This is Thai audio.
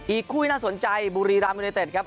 อีกคู่ที่น่าสนใจบุรีรามยูเนเต็ดครับ